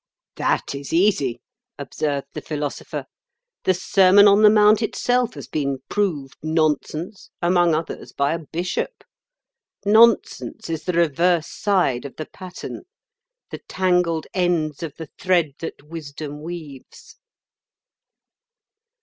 "That is easy," observed the Philosopher. "The Sermon on the Mount itself has been proved nonsense—among others, by a bishop. Nonsense is the reverse side of the pattern—the tangled ends of the thread that Wisdom weaves."